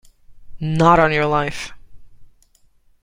Not on your life!